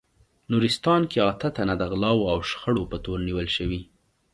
نورستان کې اته تنه د غلاوو او شخړو په تور نیول شوي